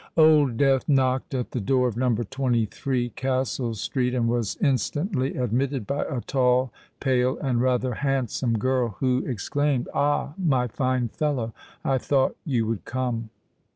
Old Death knocked at the door of No. 23, Castle Street, and was instantly admitted by a tall, pale, and rather handsome girl, who exclaimed, "Ah! my fine fellow—I thought you would come."